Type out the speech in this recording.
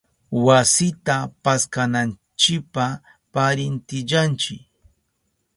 Wasita paskananchipa parintillanchi.